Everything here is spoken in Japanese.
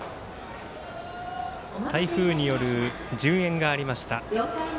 台風による順延がありました。